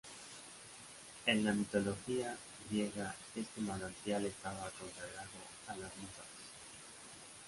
En la mitología griega este manantial estaba consagrado a las Musas.